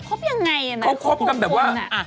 คบยังไงอะมันคบกันแบบว่า